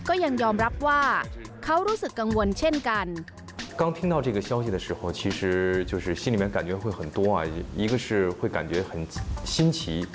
ก็ยังยอมรับว่าเขารู้สึกกังวลเช่นกัน